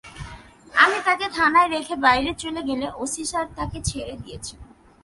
আমি তাঁকে থানায় রেখে বাইরে চলে গেলে ওসি স্যার তাঁকে ছেড়ে দিয়েছেন।